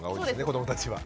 子どもたちは。